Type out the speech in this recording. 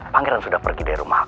pangeran sudah pergi dari rumah